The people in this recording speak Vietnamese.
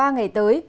ba ngày tới